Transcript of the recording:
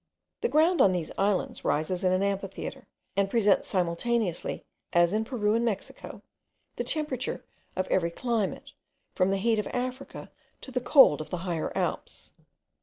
The ground on these islands rises in an amphitheatre, and presents simultaneously, as in Peru and Mexico, the temperature of every climate, from the heat of Africa to the cold of the higher Alps.